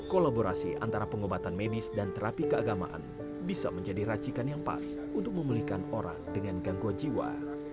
kolaborasi antara pengobatan medis dan terapi keagamaan bisa menjadi racikan yang pas untuk memulihkan orang dengan gangguan jiwa